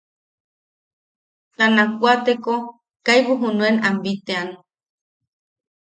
Ta nakwateko kaibu junuen am bitʼean.